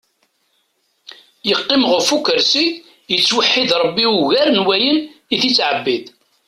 Yeqqim ɣef ukarsi, yettweḥid ṛebbi ugar n wayen it-yettɛebbid.